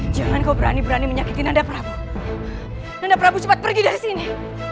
jangan kau berani berani menyakiti nanda prabu nanda prabu cepat pergi dari sini